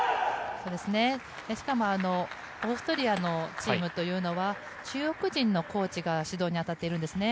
しかも、オーストリアのチームというのは中国人のコーチが指導に当たっているんですね。